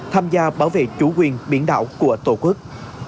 tham gia bảo vệ chủ quyền biển đảo của tổ quốc